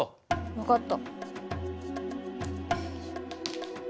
分かった。